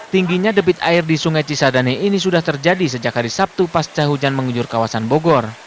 tingginya debit air di sungai cisadane ini sudah terjadi sejak hari sabtu pasca hujan mengunjur kawasan bogor